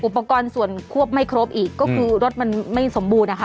อุปกรณ์ส่วนควบไม่ครบอีกก็คือรถมันไม่สมบูรณนะคะ